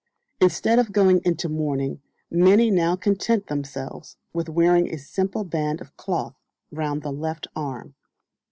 Instead of going into mourning, many now content themselves with wearing a simple band of cloth round the left arm.